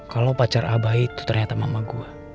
kalau pacar abah itu ternyata mama gue